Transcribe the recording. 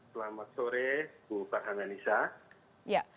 selamat sore bu faham anissa